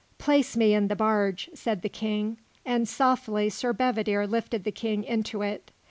"Place me in the barge," said the King, and softly Sir Bedivere lifted the King into it.